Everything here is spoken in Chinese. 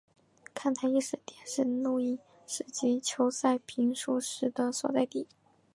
看台亦是电视录影室及球赛评述室的所在地。